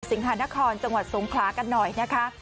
หานครจังหวัดสงขลากันหน่อยนะคะ